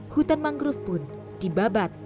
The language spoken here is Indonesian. hutan mangrove pun dibabat